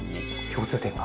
共通点が。